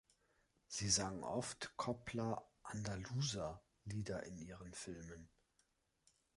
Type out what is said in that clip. Sie sang oft copla andaluza Lieder in ihren Filmen.